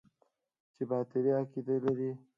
چې باطلې عقيدې لري.